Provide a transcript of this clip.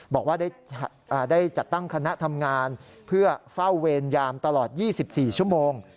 บอกว่าได้จัดตั้งคณะทำงานเพื่อเฝ้าเวรยามตลอด๒๔ชั่วโมง